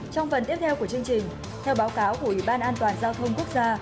trong phần tiếp theo của chương trình theo báo cáo của ủy ban an toàn giao thông quốc gia